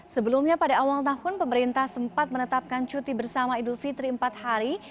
sebelumnya pada awal tahun pemerintah sempat menetapkan cuti bersama idul fitri empat hari